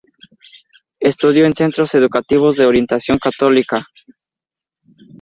Estudió en centros educativos de orientación católica: St.